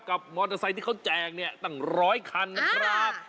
มอเตอร์ไซค์ที่เขาแจกเนี่ยตั้งร้อยคันนะครับ